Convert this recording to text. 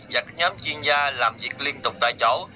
và các nhóm chuyên gia làm việc liên tục tại cháu